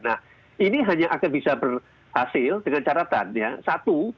nah ini hanya akan bisa berhasil dengan caratannya satu